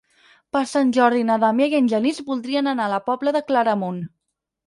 Per Sant Jordi na Damià i en Genís voldrien anar a la Pobla de Claramunt.